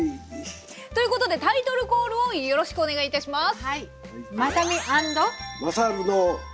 ということでタイトルコールをよろしくお願いいたします。